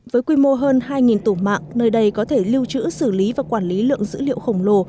với quy mô hơn hai tủ mạng nơi đây có thể lưu trữ xử lý và quản lý lượng dữ liệu khổng lồ